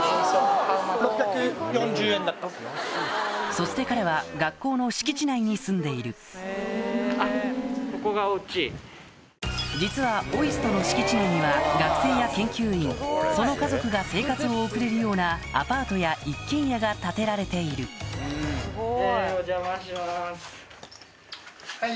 そして彼は学校の敷地内に住んでいる実はＯＩＳＴの敷地内には学生や研究員その家族が生活を送れるようなアパートや一軒家が建てられているわすごい！